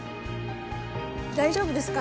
大丈夫ですか？